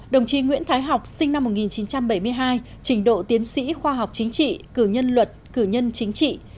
đồng chí nguyễn thái học sinh năm một nghìn chín trăm bảy mươi hai trình độ tiến sĩ khoa học chính trị cử nhân luật cử nhân chính trị